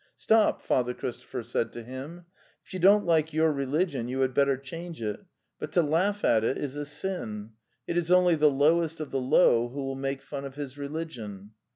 "Stop! ..." Father Christopher said' to him. "Tf you don't like your religion you had better change it, but to laugh at it is a sin; it is only the lowest of the low who will make fun of his religion."